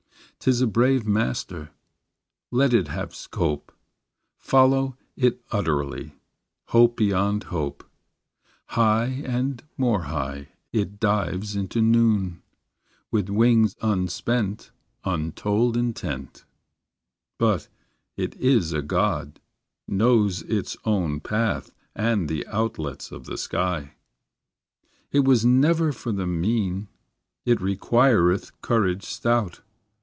'T is a brave master; Let it have scope: Follow it utterly, Hope beyond hope: High and more high It dives into noon, With wing unspent, Untold intent; But it is a god, Knows its own path And the outlets of the sky. It was never for the mean; It requireth courage stout.